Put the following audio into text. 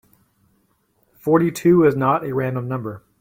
Forty-two is not a random number.